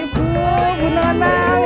tidak ada yang ngomong